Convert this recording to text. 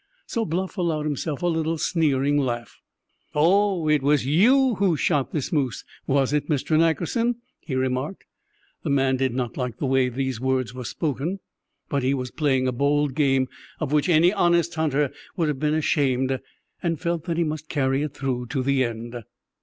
So Bluff allowed himself a little sneering laugh. "Oh, it was you who shot this moose, was it, Mr. Nackerson?" he remarked. The man did not like the way these words were spoken, but he was playing a bold game, of which any honest hunter would have been ashamed, and felt that he must carry it through to the end.